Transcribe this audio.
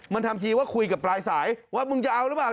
มันทำทีว่าคุยกับปลายสายว่ามึงจะเอาหรือเปล่า